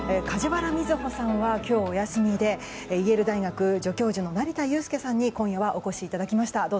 梶原みずほさんは今日お休みでエール大学助教授の成田悠輔さんに今夜はお越しいただきました。